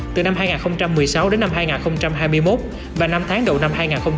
từ năm hai nghìn một mươi sáu đến năm hai nghìn hai mươi một và năm tháng đầu năm hai nghìn hai mươi